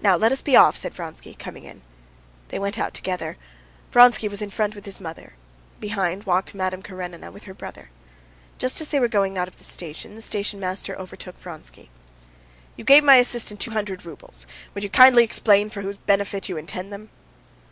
"Now let us be off," said Vronsky, coming in. They went out together. Vronsky was in front with his mother. Behind walked Madame Karenina with her brother. Just as they were going out of the station the station master overtook Vronsky. "You gave my assistant two hundred roubles. Would you kindly explain for whose benefit you intend them?"